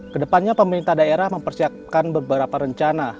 kedepannya pemerintah daerah mempersiapkan beberapa rencana